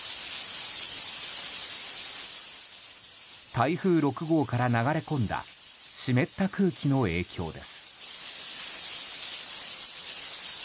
台風６号から流れ込んだ湿った空気の影響です。